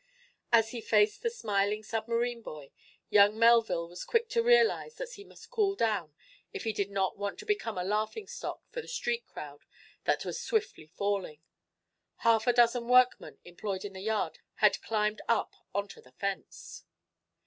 As he faced the smiling submarine boy, young Melville was quick to realize that he must cool down if he did not want to become a laughing stock for the street crowd that was swiftly forming. Half a dozen workmen employed in the yard had climbed up onto the fence.